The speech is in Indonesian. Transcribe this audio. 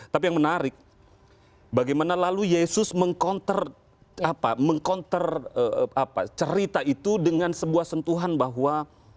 tapi yang menarik bagaimana lalu yesus meng counter cerita itu dengan sebuah sentuhan bahwa